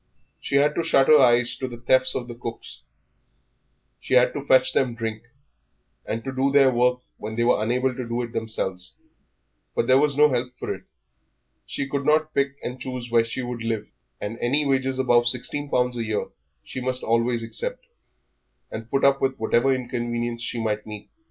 She had to shut her eyes to the thefts of cooks; she had to fetch them drink, and to do their work when they were unable to do it themselves. But there was no help for it. She could not pick and choose where she would live, and any wages above sixteen pound a year she must always accept, and put up with whatever inconvenience she might meet.